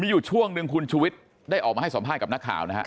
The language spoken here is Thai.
อยู่ช่วงนึงคุณชุวิตได้ออกมาสอบภายฯกับนักข่าว